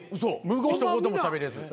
一言もしゃべれず。